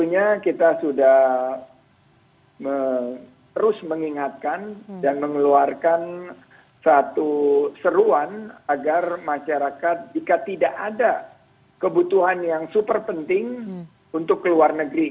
tentunya kita sudah terus mengingatkan dan mengeluarkan satu seruan agar masyarakat jika tidak ada kebutuhan yang super penting untuk ke luar negeri